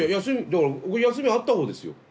だから僕休みあった方ですよ。